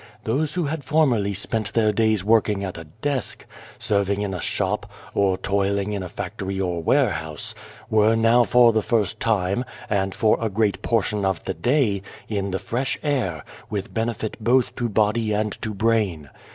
Those who had formerly spent their days working at a desk, serving in a shop, or toiling in a factory or warehouse, were now for the first time, and for a great portion of the day, in the fresh air, with benefit both to body and to brain.